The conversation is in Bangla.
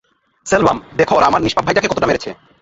সেলভাম, দেখ ওরা আমার নিষ্পাপ ভাইটাকে কতটা মেরেছে!